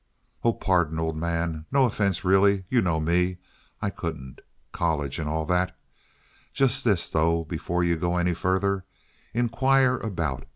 "Oh, pardon, old man. No offense, really. You know me. I couldn't. College—and all that. Just this, though, before you go any further. Inquire about.